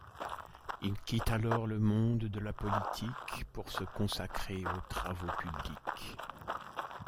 Il quitte alors le monde de la politique pour se consacrer aux travaux publics.